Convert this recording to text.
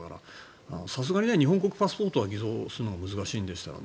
さすがに日本国パスポートは偽造するのが難しいんですよね。